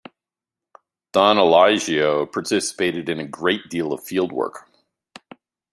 Don Elijio participated in a great deal of field work.